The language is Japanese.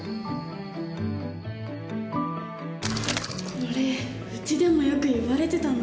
これうちでもよく言われてたな。